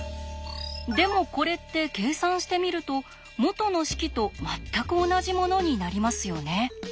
でもこれって計算してみると元の式と全く同じものになりますよね。